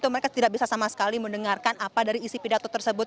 mereka tidak bisa sama sekali mendengarkan apa dari isi pidato tersebut